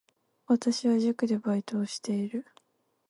私は塾でバイトをしている